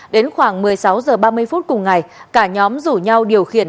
đến khoảng một mươi sáu h ba mươi phút cùng ngày cả nhóm rủ nhau điều khiển